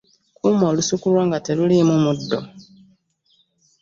Kuuma olusuku lwo nga terulimu muddo.